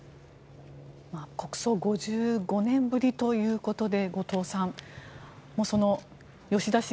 国葬５５年ぶりということで後藤さん吉田茂